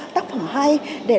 tác phẩm hay